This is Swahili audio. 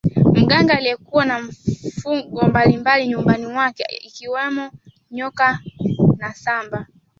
mganga aliyekuwa na mifugo mbalimbali nyumbani kwake ikiwamo nyoka na samba